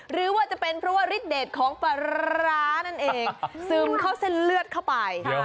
หรือว่าจะเป็นเพราะว่าฤทธเด็ดของปลาร้านั่นเองซึมเข้าเส้นเลือดเข้าไป